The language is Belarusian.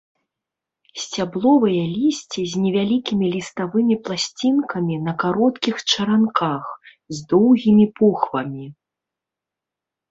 Сцябловае лісце з невялікімі ліставымі пласцінкамі на кароткіх чаранках, з доўгімі похвамі.